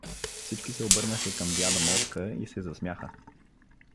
Всички се обърнаха към дяда Моска и се засмяха.